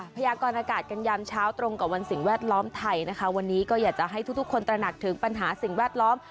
พยากรอากาศกันยามเช้าตรงกับวันสิ่งแวดล้อมไทยนะคะวันนี้ก็อยากจะให้ทุกทุกคนตระหนักถึงปัญหาสิ่งแวดล้อม